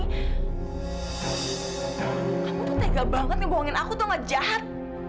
kamu tuh tegal banget ngebohongin aku tuh gak jahat